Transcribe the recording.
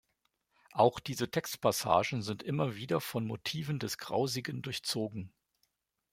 Auch diese Textpassagen sind immer wieder von Motiven des Grausigen durchzogen.